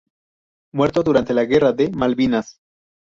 Muerto durante la Guerra de Malvinas.